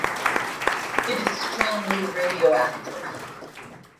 It is strongly radioactive.